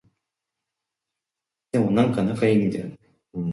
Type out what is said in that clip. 今日、ともだちといっしょに、大学に行きます。